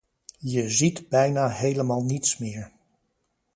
Je ziet bijna helemaal niets meer.